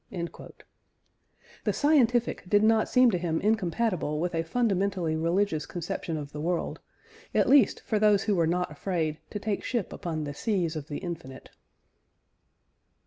" The scientific did not seem to him incompatible with a fundamentally religious conception of the world, at least for those who were not afraid "to take ship upon the seas of the infinite."